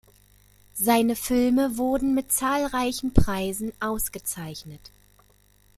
Seine Filme wurden mit zahlreichen Preisen ausgezeichnet.